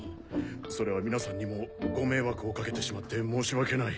それは皆さんにもご迷惑をかけてしまって申し訳ない。